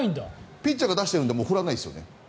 ピッチャーが出しているので振らないですよね。